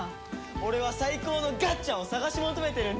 俺は最高のガッチャを探し求めてるんだ！